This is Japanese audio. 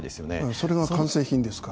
それが完成品ですから。